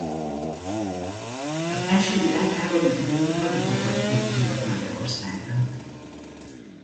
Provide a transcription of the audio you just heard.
Az első világháború idején hadifogolyként került Magyarországra.